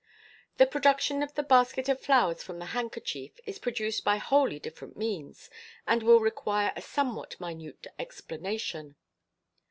The production of the basket of flowers from the handkerchief is produced by wholly different means, and will require a somewhat minute explanation.